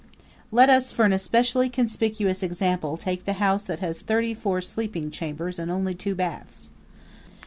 Let us, for an especially conspicuous example, take the house that has thirty four sleeping chambers and only two baths.